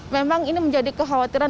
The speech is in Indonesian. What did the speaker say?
memang ini menjadi kekhawatiran